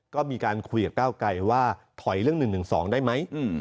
ก็มีการคุยกับก้าวไกลว่าถอยเรื่อง๑๑๒ได้ไหม